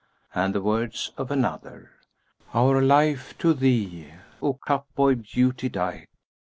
And the words of another, "Our life to thee, O cup boy Beauty dight!